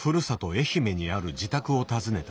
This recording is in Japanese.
愛媛にある自宅を訪ねた。